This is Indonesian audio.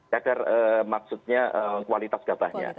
kadar maksudnya kualitas gabahnya